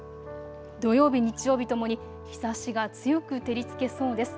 土曜日、日曜日ともに日ざしが強く照りつけそうです。